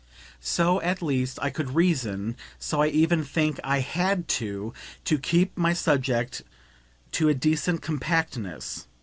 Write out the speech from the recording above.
So at least I could reason so I even think I HAD to to keep my subject to a decent compactness.